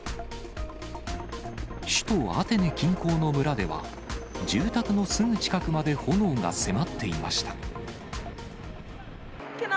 首都アテネ近郊の村では、住宅のすぐ近くまで炎が迫っていました。